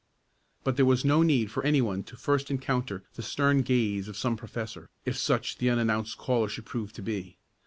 But there was no need for any one to first encounter the stern gaze of some professor, if such the unannounced caller should prove to be.